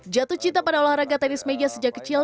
jatuh cinta pada olahraga tenis meja sejak kecil